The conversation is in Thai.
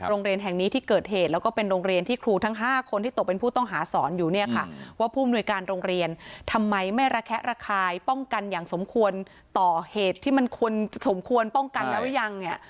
โรงเรียนแห่งนี้ที่เกิดเหตุแล้วก็เป็นโรงเรียนที่ครูทั้ง๕คนที่ตกเป็นผู้ต้องหาสอนอยู่เนี่ยค่ะว่าผู้มนุยการโรงเรียนทำไมไม่ระแคะระคายป้องกันอย่างสมควรต่อเหตุที่มันควรสมควรป้องกันแล้วหรือยังเนี่ย